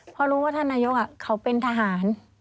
เพราะรู้ว่าท่านนายกเขาเป็นทหาร